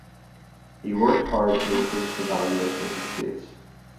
He worked hard to increase the value of his estates.